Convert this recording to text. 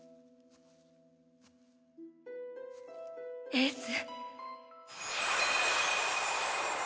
エース。